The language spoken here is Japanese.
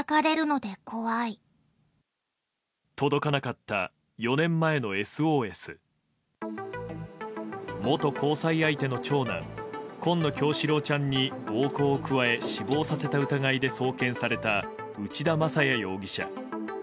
届かなかった、４年前のＳＯＳ。元交際相手の長男紺野叶志郎ちゃんに暴行を加え死亡させた疑いで送検された内田正也容疑者。